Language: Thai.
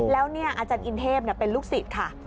แล้วอาจารย์อินเทพเป็นลูกศิษย์ค่ะ